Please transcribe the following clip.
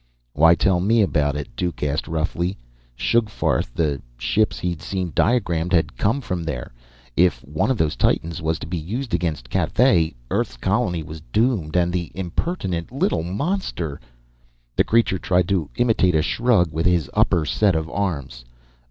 "Why tell me about it?" Duke asked roughly. Sugfarth the ship he'd seen diagrammed had come from there. If one of those titans was to be used against Cathay, Earth's colony was doomed. And the impertinent little monster ! The creature tried to imitate a shrug with his upper set of arms.